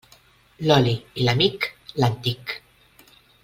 L'oli i l'amic, l'antic.